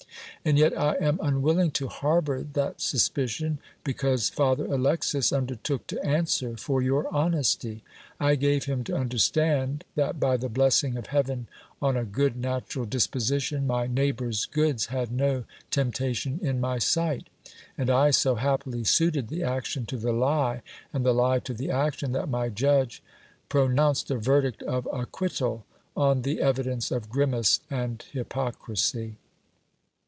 And yet I am unwilling to harbour that suspicion, be cause Father Alexis undertook to answer for your honesty. I gave him to un derstand that, by the blessing of heaven on a good natural disposition, my neighbours' goods had no temptation in my sight ; and I so happily suited the action to the lie, and the lie to the action, that my judge pronounced a verdict of acquittal on the evidence of grimace and hypocrisy.